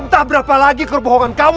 entah berapa lagi kebohongan kamu